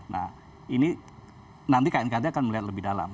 nah ini nanti knkt akan melihat lebih dalam